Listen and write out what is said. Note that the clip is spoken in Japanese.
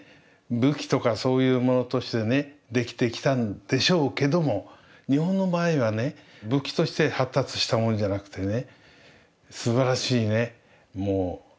武器とかそういうものとしてねできてきたんでしょうけども日本の場合はね武器として発達したものじゃなくてね